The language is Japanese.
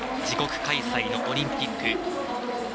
自国開催のオリンピック。